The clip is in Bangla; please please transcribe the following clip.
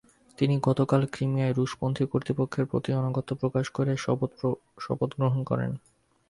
তিনি গতকাল ক্রিমিয়ার রুশপন্থী কর্তৃপক্ষের প্রতি আনুগত্য প্রকাশ করে শপথ গ্রহণ করেন।